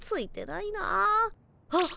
あっ！